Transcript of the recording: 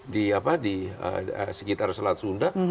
di sekitar selat sunda